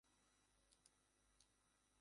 আমি ওনার কাছে কিছু ফান্ডিংও চেয়েছি।